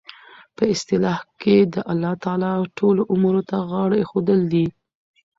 په اصطلاح کښي د الله تعالی ټولو امورو ته غاړه ایښودل دي.